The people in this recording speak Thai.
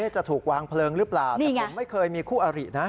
จะถูกวางเพลิงหรือเปล่าแต่ผมไม่เคยมีคู่อรินะ